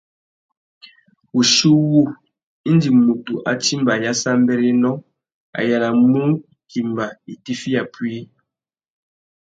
Wuchiuwú, indi mutu a timba ayássámbérénô, a yānamú timba itifiya puï.